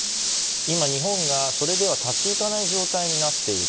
今、日本はそれでは立ちいかない状態になっている。